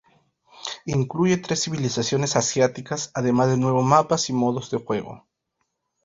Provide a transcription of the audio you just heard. Incluye tres civilizaciones asiáticas además de nuevos mapas y modos de juego.